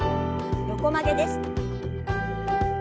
横曲げです。